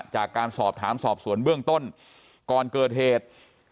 จากการสอบถามสอบสวนเบื้องต้นก่อนเกิดเหตุ